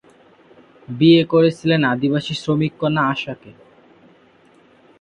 বিয়ে করেছিলেন আদিবাসী শ্রমিক কন্যা আশা কে।